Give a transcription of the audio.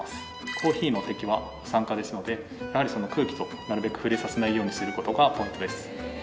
コーヒーの敵は酸化ですのでやはりその空気となるべく触れさせないようにする事がポイントです。